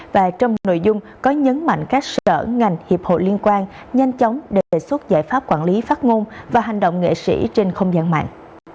và trong nội dung có nhấn mạnh các sở ngành hiệp hội liên quan nhanh chóng đề xuất giải pháp quản lý phát ngôn và hành động nghệ sĩ trên không gian mạng